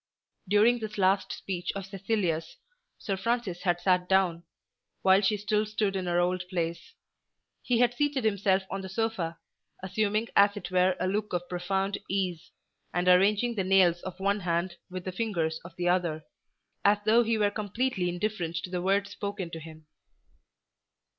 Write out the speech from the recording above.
During this last speech of Cecilia's, Sir Francis had sat down, while she still stood in her old place. He had seated himself on the sofa, assuming as it were a look of profound ease, and arranging the nails of one hand with the fingers of the other, as though he were completely indifferent to the words spoken to him.